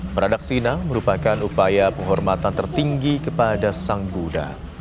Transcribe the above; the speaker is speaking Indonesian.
meradaksina merupakan upaya penghormatan tertinggi kepada sang buddha